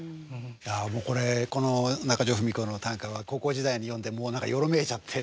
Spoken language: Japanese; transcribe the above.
いやもうこれこの中城ふみ子の短歌は高校時代に読んでもう何かよろめいちゃって。